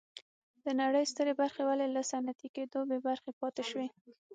د نړۍ سترې برخې ولې له صنعتي کېدو بې برخې پاتې شوې.